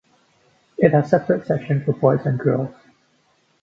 It has separate section for Boys and Girls.